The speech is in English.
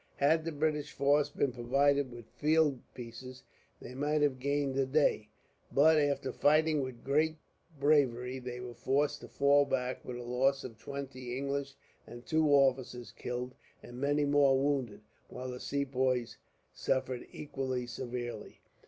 Had the British force been provided with field pieces, they might have gained the day; but, after fighting with great bravery, they were forced to fall back; with a loss of twenty English and two officers killed and many more wounded, while the Sepoys suffered equally severely.